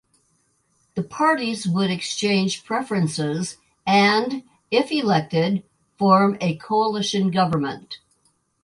The parties would exchange preferences and, if elected, form a coalition government.